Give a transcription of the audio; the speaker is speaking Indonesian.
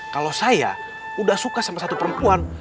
kalau saya udah suka sama satu perempuan